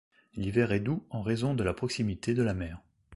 L'hiver est doux en raison de la proximité de la mer.